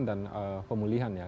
dan pemulihan ya